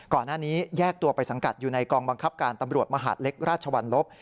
แยกตัวไปสังกัดอยู่ในกองบังคับการตำรวจมหาดเล็กราชวรรลบ